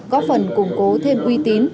góp phần củng cố thêm uy tín